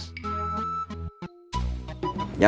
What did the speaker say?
tanya yang banyak